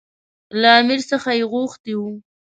له امیر څخه یې غوښتي وو.